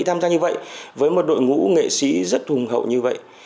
tham gia như vậy với một đội ngũ nghệ sĩ rất hùng hậu như vậy